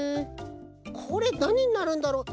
これなにになるんだろう？